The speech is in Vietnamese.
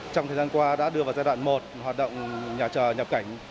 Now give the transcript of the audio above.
trong thời gian qua đã đưa vào giai đoạn một hoạt động nhà chờ nhập cảnh